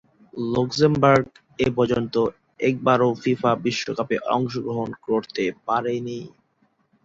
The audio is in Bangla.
লুক্সেমবুর্গ এপর্যন্ত একবারও ফিফা বিশ্বকাপে অংশগ্রহণ করতে পারেনি।